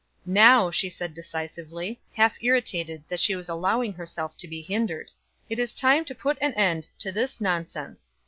"Now," she said decisively, half irritated that she was allowing herself to be hindered, "it is time to put an end to this nonsense.